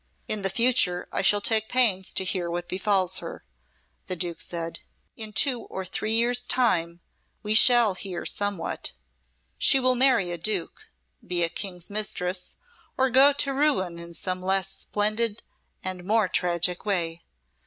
"In the future I shall take pains to hear what befalls her," the Duke said. "In two or three years' time we shall hear somewhat. She will marry a duke be a King's mistress, or go to ruin in some less splendid and more tragic way.